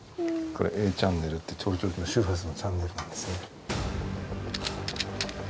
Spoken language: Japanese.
これ、Ａチャンネルって盗聴器の周波数のチャンネルなんですね。